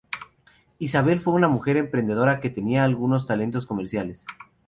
Isabel fue una mujer emprendedora que tenía algunos talentos comerciales.